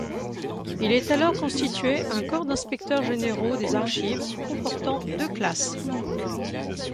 Il est alors constitué un corps d'inspecteurs généraux des archives comportant deux classes.